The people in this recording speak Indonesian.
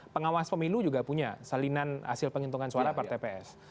pengawas pemilu juga punya salinan hasil penghitungan suara per tps